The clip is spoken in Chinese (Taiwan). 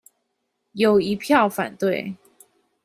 有一票反對